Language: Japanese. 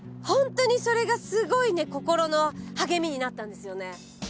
ホントにそれがすごいね心の励みになったんですよね。